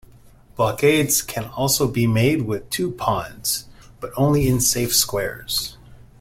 Blockades can also be made with two pawns, but only in safe squares.